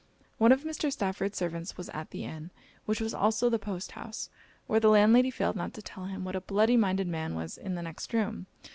One of Mr. Stafford's servants was at the inn, which was also the post house; where the landlady failed not to tell him what a bloody minded man was in the next room.